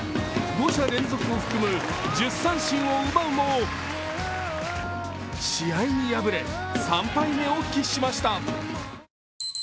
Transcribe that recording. ５者連続を含む１０三振を奪うも試合に敗れ、３敗目を喫しました。